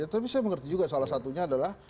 tapi saya mengerti juga salah satunya adalah